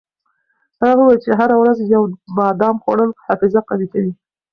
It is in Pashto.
هغه وویل چې هره ورځ یو بادام خوړل حافظه قوي کوي.